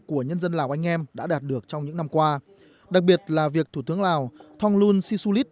của nhân dân lào anh em đã đạt được trong những năm qua đặc biệt là việc thủ tướng lào thong lun si sulit